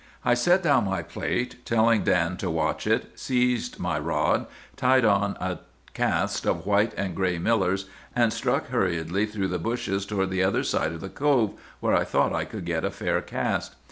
"'I set down my plate, telling Dan to watch it, seized my rod, tied on a cast of white and gray millers, and struck hurriedly through the bushes toward the other side of the cove, where I thought I could get a fair cast.